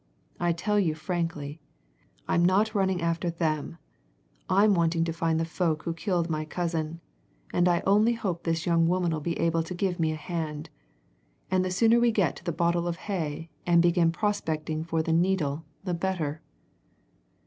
I tell you frankly. I'm not running after them I'm wanting to find the folk who killed my cousin, and I only hope this young woman'll be able to give me a hand. And the sooner we get to the bottle of hay and begin prospecting for the needle the better!"